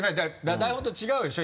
台本と違うでしょ？